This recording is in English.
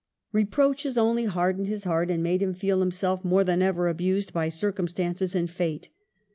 1 Reproaches only hardened his heart and made him feel himself more than ever abused by cir cumstances and fate.